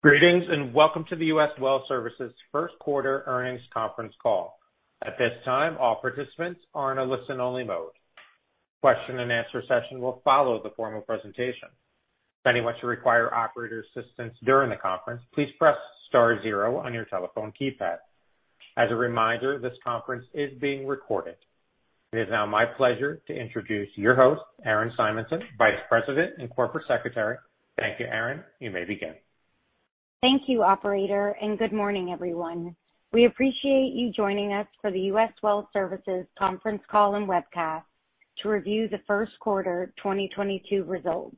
Greetings, and welcome to the U.S. Well Services first quarter earnings conference call. At this time, all participants are in a listen-only mode. Question and answer session will follow the formal presentation. If anyone should require operator assistance during the conference, please press star zero on your telephone keypad. As a reminder, this conference is being recorded. It is now my pleasure to introduce your host, Erin C. Simonson, Vice President and Corporate Secretary. Thank you, Erin. You may begin. Thank you, operator, and good morning, everyone. We appreciate you joining us for the U.S. Well Services conference call and webcast to review the first quarter 2022 results.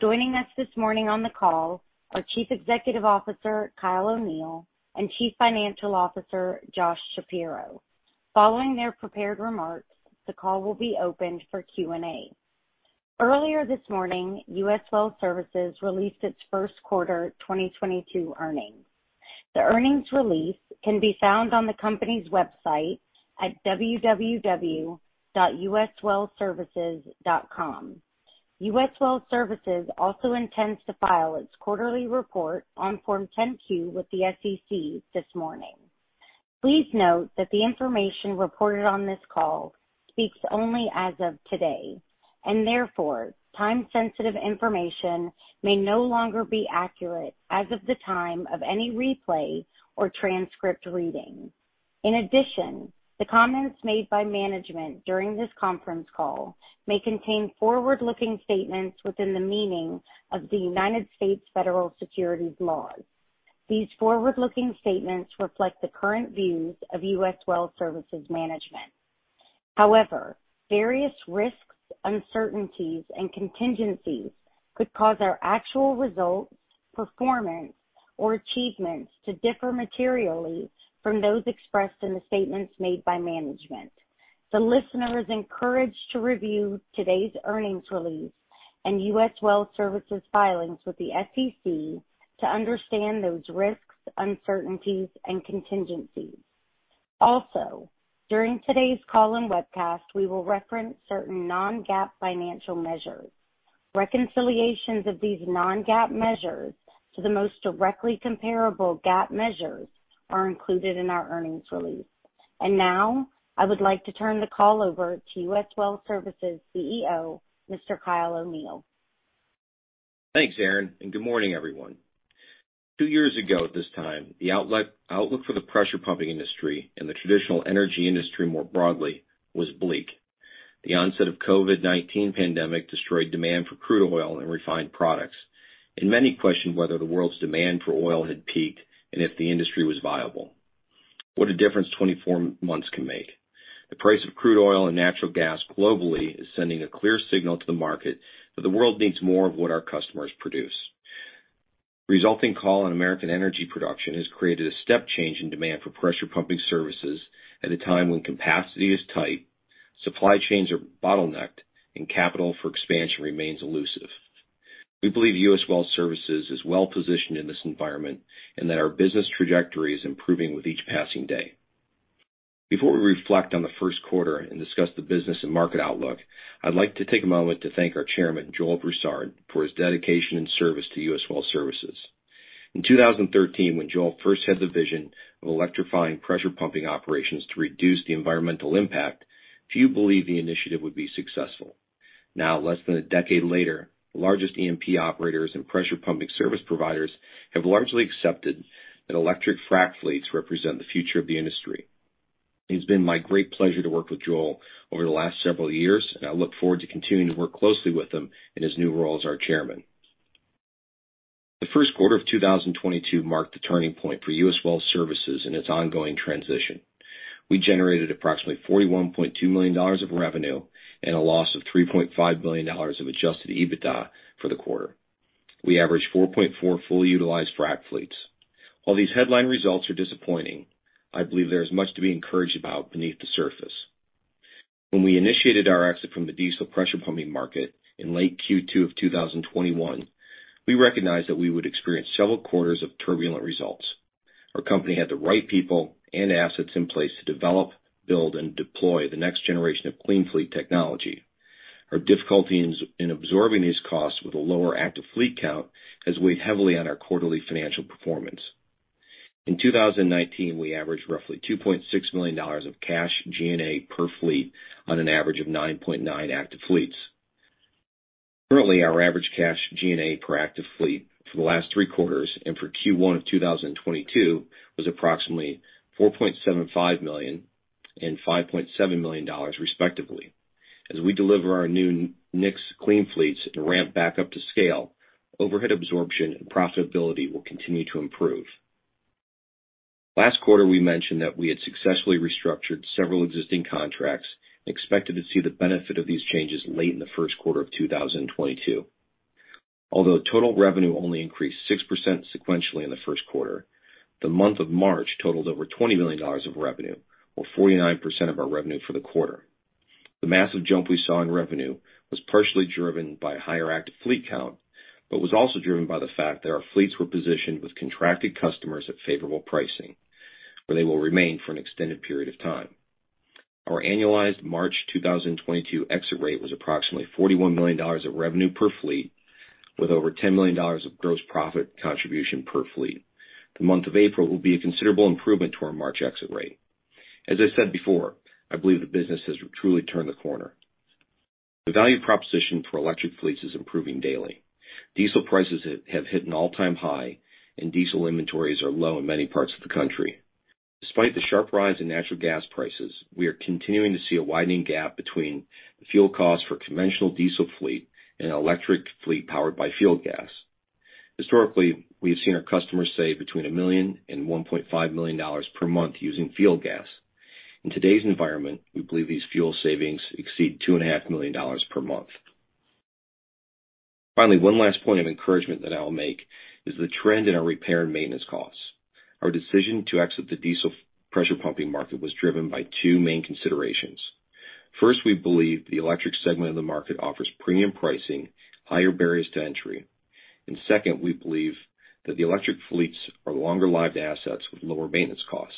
Joining us this morning on the call are Chief Executive Officer Kyle O'Neill and Chief Financial Officer Josh Shapiro. Following their prepared remarks, the call will be opened for Q&A. Earlier this morning, U.S. Well Services released its first quarter 2022 earnings. The earnings release can be found on the company's website at www.uswellservices.com. U.S. Well Services also intends to file its quarterly report on Form 10-Q with the SEC this morning. Please note that the information reported on this call speaks only as of today, and therefore, time-sensitive information may no longer be accurate as of the time of any replay or transcript reading. In addition, the comments made by management during this conference call may contain forward-looking statements within the meaning of the United States federal securities laws. These forward-looking statements reflect the current views of U.S. Well Services management. However, various risks, uncertainties, and contingencies could cause our actual results, performance, or achievements to differ materially from those expressed in the statements made by management. The listener is encouraged to review today's earnings release and U.S. Well Services filings with the SEC to understand those risks, uncertainties and contingencies. Also, during today's call and webcast, we will reference certain non-GAAP financial measures. Reconciliations of these non-GAAP measures to the most directly comparable GAAP measures are included in our earnings release. Now, I would like to turn the call over to U.S. Well Services CEO, Mr. Kyle O'Neill. Thanks, Erin, and good morning, everyone. Two years ago at this time, the outlook for the pressure pumping industry and the traditional energy industry more broadly was bleak. The onset of COVID-19 pandemic destroyed demand for crude oil and refined products, and many questioned whether the world's demand for oil had peaked and if the industry was viable. What a difference 24 months can make. The price of crude oil and natural gas globally is sending a clear signal to the market that the world needs more of what our customers produce. Resulting call on American energy production has created a step change in demand for pressure pumping services at a time when capacity is tight, supply chains are bottlenecked, and capital for expansion remains elusive. We believe U.S. Well Services is well-positioned in this environment and that our business trajectory is improving with each passing day. Before we reflect on the first quarter and discuss the business and market outlook, I'd like to take a moment to thank our Chairman, Joel Broussard, for his dedication and service to U.S. Well Services. In 2013, when Joel first had the vision of electrifying pressure pumping operations to reduce the environmental impact, few believed the initiative would be successful. Now, less than a decade later, the largest E&P operators and pressure pumping service providers have largely accepted that electric frack fleets represent the future of the industry. It's been my great pleasure to work with Joel over the last several years, and I look forward to continuing to work closely with him in his new role as our Chairman. The first quarter of 2022 marked the turning point for U.S. Well Services in its ongoing transition. We generated approximately $41.2 million of revenue and a loss of $3.5 million of Adjusted EBITDA for the quarter. We averaged 4.4 fully utilized frack fleets. While these headline results are disappointing, I believe there is much to be encouraged about beneath the surface. When we initiated our exit from the diesel pressure pumping market in late Q2 of 2021, we recognized that we would experience several quarters of turbulent results. Our company had the right people and assets in place to develop, build, and deploy the next generation of Clean Fleet technology. Our difficulty in absorbing these costs with a lower active fleet count has weighed heavily on our quarterly financial performance. In 2019, we averaged roughly $2.6 million of cash G&A per fleet on an average of 9.9 active fleets. Currently, our average cash G&A per active fleet for the last three quarters and for Q1 of 2022 was approximately $4.75 million and $5.7 million, respectively. As we deliver our new Nyx Clean Fleets to ramp back up to scale, overhead absorption and profitability will continue to improve. Last quarter, we mentioned that we had successfully restructured several existing contracts and expected to see the benefit of these changes late in the first quarter of 2022. Although total revenue only increased 6% sequentially in the first quarter, the month of March totaled over $20 billion of revenue, or 49% of our revenue for the quarter. The massive jump we saw in revenue was partially driven by higher active fleet count, but was also driven by the fact that our fleets were positioned with contracted customers at favorable pricing, where they will remain for an extended period of time. Our annualized March 2022 exit rate was approximately $41 million of revenue per fleet with over $10 million of gross profit contribution per fleet. The month of April will be a considerable improvement to our March exit rate. As I said before, I believe the business has truly turned the corner. The value proposition for electric fleets is improving daily. Diesel prices have hit an all-time high, and diesel inventories are low in many parts of the country. Despite the sharp rise in natural gas prices, we are continuing to see a widening gap between the fuel costs for conventional diesel fleet and electric fleet powered by fuel gas. Historically, we have seen our customers save between $1 million and $1.5 million per month using fuel gas. In today's environment, we believe these fuel savings exceed $2.5 million per month. Finally, one last point of encouragement that I'll make is the trend in our repair and maintenance costs. Our decision to exit the diesel pressure pumping market was driven by two main considerations. First, we believe the electric segment of the market offers premium pricing, higher barriers to entry. Second, we believe that the electric fleets are longer-lived assets with lower maintenance costs.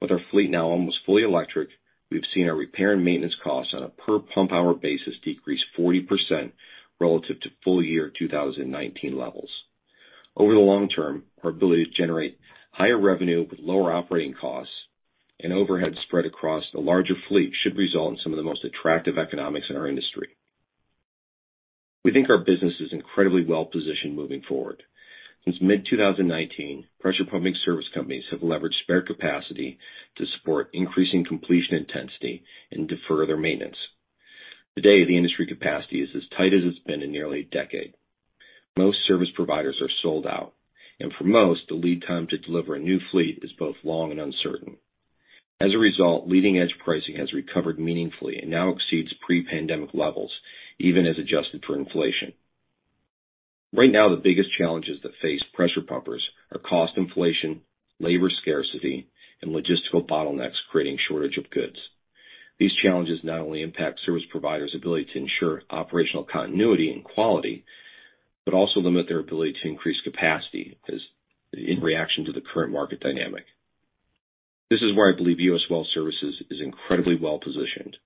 With our fleet now almost fully electric, we've seen our repair and maintenance costs on a per pump hour basis decrease 40% relative to full year 2019 levels. Over the long term, our ability to generate higher revenue with lower operating costs and overhead spread across a larger fleet should result in some of the most attractive economics in our industry. We think our business is incredibly well-positioned moving forward. Since mid-2019, pressure pumping service companies have leveraged spare capacity to support increasing completion intensity and defer their maintenance. Today, the industry capacity is as tight as it's been in nearly a decade. Most service providers are sold out, and for most, the lead time to deliver a new fleet is both long and uncertain. As a result, leading-edge pricing has recovered meaningfully and now exceeds pre-pandemic levels, even as adjusted for inflation. Right now, the biggest challenges that face pressure pumpers are cost inflation, labor scarcity, and logistical bottlenecks creating shortage of goods. These challenges not only impact service providers' ability to ensure operational continuity and quality, but also limit their ability to increase capacity as in reaction to the current market dynamic. This is why I believe U.S. Well Services is incredibly well-positioned.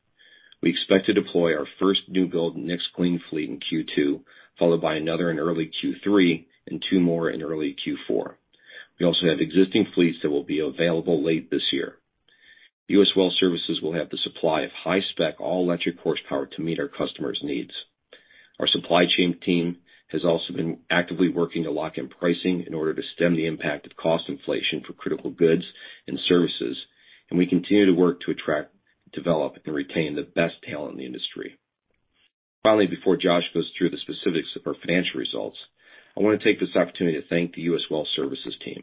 We expect to deploy our first new build Nyx Clean Fleet in Q2, followed by another in early Q3 and two more in early Q4. We also have existing fleets that will be available late this year. U.S. Well Services will have the supply of high spec, all electric horsepower to meet our customers' needs. Our supply chain team has also been actively working to lock in pricing in order to stem the impact of cost inflation for critical goods and services, and we continue to work to attract, develop and retain the best talent in the industry. Finally, before Josh goes through the specifics of our financial results, I wanna take this opportunity to thank the U.S. Well Services team.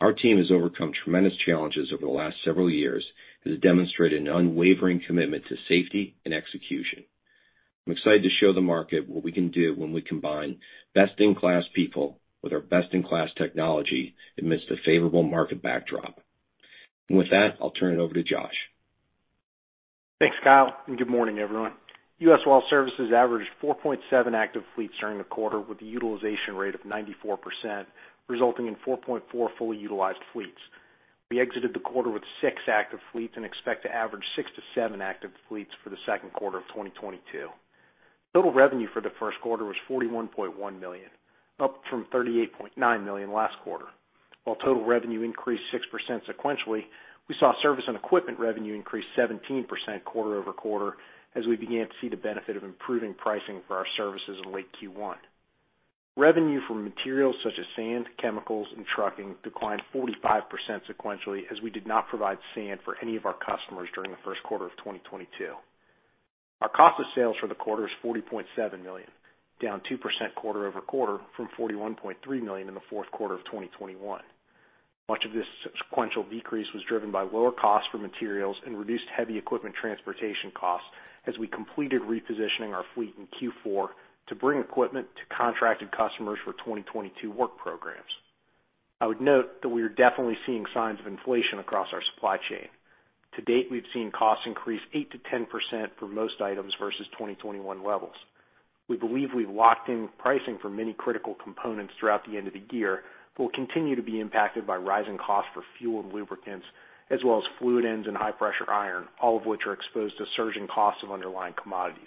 Our team has overcome tremendous challenges over the last several years, has demonstrated an unwavering commitment to safety and execution. I'm excited to show the market what we can do when we combine best-in-class people with our best-in-class technology amidst a favorable market backdrop. With that, I'll turn it over to Josh. Thanks, Kyle, and good morning, everyone. U.S. Well Services averaged 4.7 active fleets during the quarter with a utilization rate of 94%, resulting in 4.4 fully utilized fleets. We exited the quarter with six active fleets and expect to average 6 to 7 active fleets for the second quarter of 2022. Total revenue for the first quarter was $41.1 million, up from $38.9 million last quarter. While total revenue increased 6% sequentially, we saw service and equipment revenue increase 17% quarter-over-quarter as we began to see the benefit of improving pricing for our services in late Q1. Revenue from materials such as sand, chemicals, and trucking declined 45% sequentially as we did not provide sand for any of our customers during the first quarter of 2022. Our cost of sales for the quarter is $40.7 million, down 2% quarter over quarter from $41.3 million in the fourth quarter of 2021. Much of this sequential decrease was driven by lower costs for materials and reduced heavy equipment transportation costs as we completed repositioning our fleet in Q4 to bring equipment to contracted customers for 2022 work programs. I would note that we are definitely seeing signs of inflation across our supply chain. To date, we've seen costs increase 8% to 10% for most items versus 2021 levels. We believe we've locked in pricing for many critical components throughout the end of the year, but we'll continue to be impacted by rising costs for fuel and lubricants, as well as fluid ends and high pressure iron, all of which are exposed to surging costs of underlying commodities.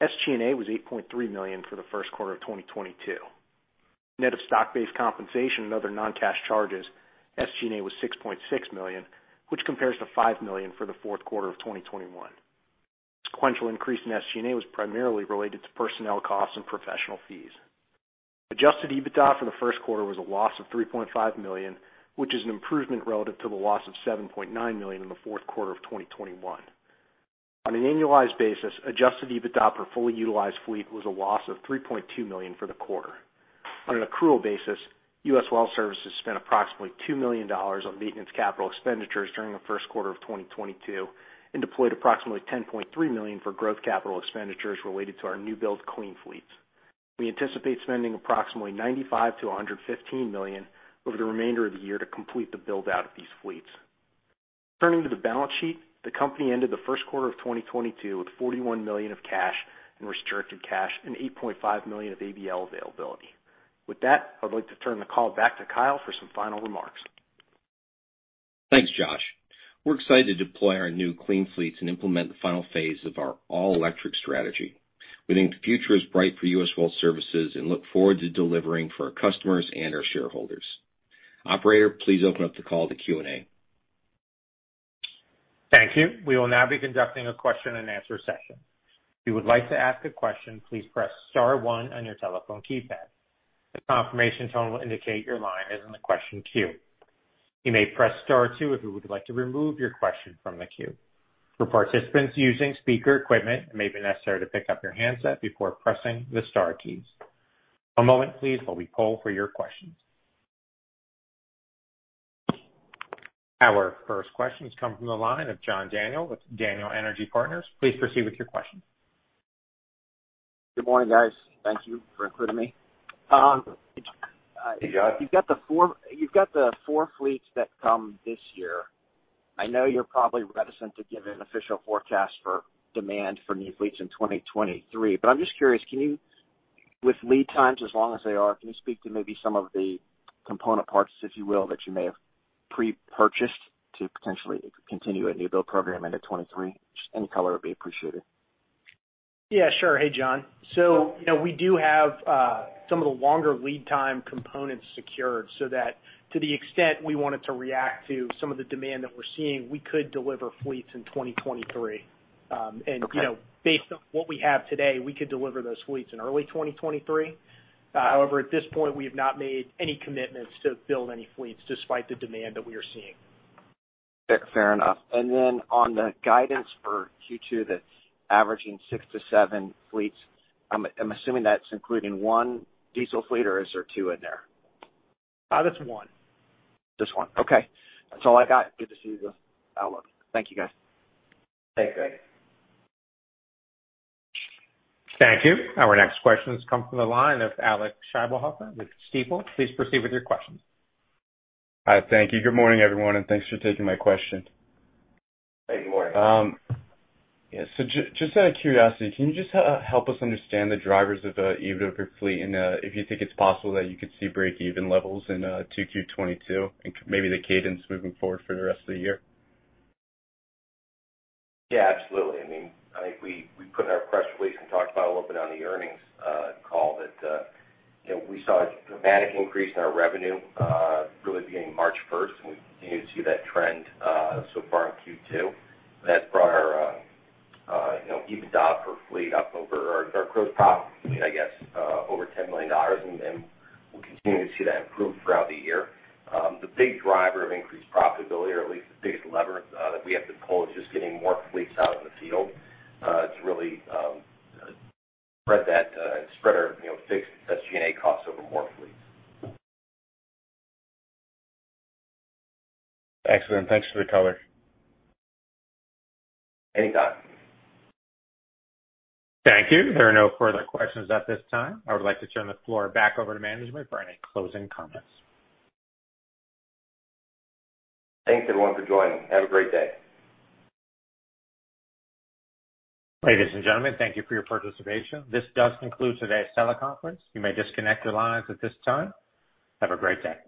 SG&A was $8.3 million for the first quarter of 2022. Net of stock-based compensation and other non-cash charges, SG&A was $6.6 million, which compares to $5 million for the fourth quarter of 2021. Sequential increase in SG&A was primarily related to personnel costs and professional fees. Adjusted EBITDA for the first quarter was a loss of $3.5 million, which is an improvement relative to the loss of $7.9 million in the fourth quarter of 2021. On an annualized basis, adjusted EBITDA per fully utilized fleet was a loss of $3.2 million for the quarter. On an accrual basis, U.S. Well Services spent approximately $2 million on maintenance capital expenditures during the first quarter of 2022 and deployed approximately $10.3 million for growth capital expenditures related to our new build Clean Fleet. We anticipate spending approximately $95 million-$115 million over the remainder of the year to complete the build-out of these fleets. Turning to the balance sheet, the company ended the first quarter of 2022 with $41 million of cash and restricted cash and $8.5 million of ABL availability. With that, I'd like to turn the call back to Kyle for some final remarks. Thanks, Josh. We're excited to deploy our new Clean Fleet and implement the final phase of our all-electric strategy. We think the future is bright for U.S. Well Services and look forward to delivering for our customers and our shareholders. Operator, please open up the call to Q&A. Thank you. We will now be conducting a question and answer session. If you would like to ask a question, please press star one on your telephone keypad. A confirmation tone will indicate your line is in the question queue. You may press star two if you would like to remove your question from the queue. For participants using speaker equipment, it may be necessary to pick up your handset before pressing the star keys. One moment please while we poll for your questions. Our first question comes from the line of John Daniel with Daniel Energy Partners. Please proceed with your question. Good morning, guys. Thank you for including me. Hey, John. You've got the four fleets that come this year. I know you're probably reticent to give an official forecast for demand for new fleets in 2023, but I'm just curious. With lead times as long as they are, can you speak to maybe some of the component parts, if you will, that you may have pre-purchased to potentially continue a new build program into 2023? Just any color would be appreciated. Yeah, sure. Hey, John. You know, we do have some of the longer lead time components secured so that to the extent we wanted to react to some of the demand that we're seeing, we could deliver fleets in 2023. Okay. You know, based on what we have today, we could deliver those fleets in early 2023. However, at this point, we have not made any commitments to build any fleets despite the demand that we are seeing. Fair enough. On the guidance for Q2 that's averaging 6 to 7 fleets, I'm assuming that's including 1 diesel fleet or is there 2 in there? That's one. Just one. Okay. That's all I got. Good to see the outlook. Thank you, guys. Thanks, John. Thank you. Our next question comes from the line of Stephen Gengaro with Stifel. Please proceed with your questions. Hi. Thank you. Good morning, everyone, and thanks for taking my question. Hey, good morning. Just out of curiosity, can you just help us understand the drivers of EBITDA per fleet and if you think it's possible that you could see breakeven levels in 2Q 2022 and maybe the cadence moving forward for the rest of the year? Yeah, absolutely. I mean, I think we put in our press release and talked about a little bit on the earnings call that, you know, we saw a dramatic increase in our revenue, really beginning March first, and we continue to see that trend so far in Q2. That brought our, you know, EBITDA per fleet up over our gross profit to be, I guess, over $10 million, and then we'll continue to see that improve throughout the year. The big driver of increased profitability or at least the biggest lever that we have to pull is just getting more fleets out in the field to really spread our, you know, fixed SG&A costs over more fleets. Excellent. Thanks for the color. Any time. Thank you. There are no further questions at this time. I would like to turn the floor back over to management for any closing comments. Thanks, everyone, for joining. Have a great day. Ladies and gentlemen, thank you for your participation. This does conclude today's teleconference. You may disconnect your lines at this time. Have a great day.